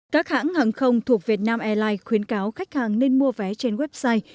các hãng hàng không thuộc việt nam airlines khuyến cáo khách hàng nên mua vé trên website